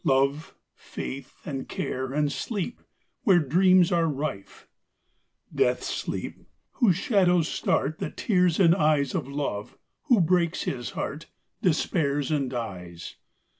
Love, faith, and care, and sleep, Where dreams are rife. Death's sleep! whose shadows start The tears in eyes Of Love, who breaks his heart, Despairs and dies.